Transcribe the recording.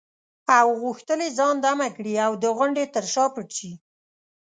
او غوښتل یې ځان دمه کړي او د غونډې تر شا پټ شي.